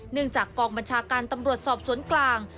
จากกองบัญชาการตำรวจสอบสวนกลาง